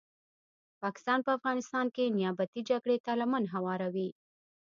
پاکستان په افغانستان کې نیابتې جګړي ته لمن هواروي